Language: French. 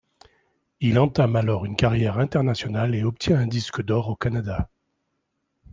Il entame alors une carrière internationale et obtient un disque d'or au Canada.